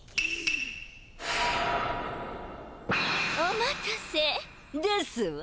お待たせですわ。